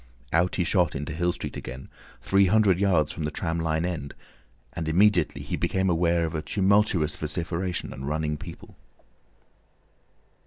Out he shot into Hill Street again, three hundred yards from the tram line end, and immediately he became aware of a tumultuous vociferation and running people.